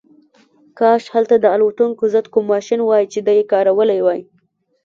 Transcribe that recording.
کاش هلته د الوتکو ضد کوم ماشین وای چې دی کارولی وای